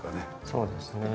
そうですね。